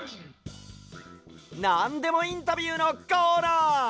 なんでもインタビューのコーナー！